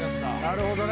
「なるほどね」